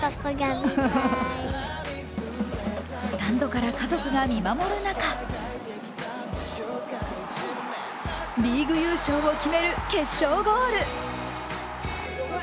スタンドから家族が見守る中、リーグ優勝を決める決勝ゴール。